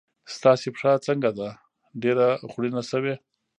ستاسې پښه څنګه ده؟ ډېره خوړینه شوې.